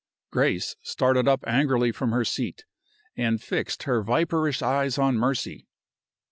Grace started up angrily from her seat, and fixed her viperish eyes on Mercy.